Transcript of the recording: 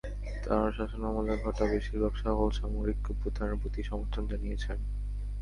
তাঁর শাসনামলে ঘটা বেশির ভাগ সফল সামরিক অভ্যুত্থানের প্রতি সমর্থন জানিয়েছেন।